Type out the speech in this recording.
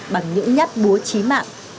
bằng những nhát búa trí mạng